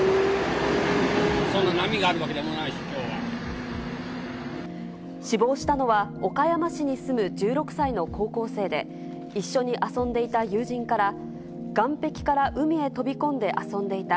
そんな波があるわけでもないし、死亡したのは岡山市に住む１６歳の高校生で、一緒に遊んでいた友人から、岸壁から海へ飛び込んで遊んでいた。